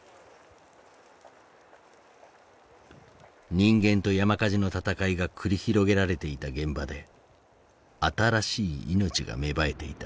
人間と山火事の闘いが繰り広げられていた現場で新しい命が芽生えていた。